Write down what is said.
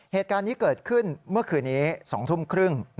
เหตุการณ์นี้เกิดขึ้นเมื่อคืนนี้๒ทุ่มครึ่ง